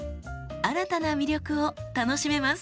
新たな魅力を楽しめます。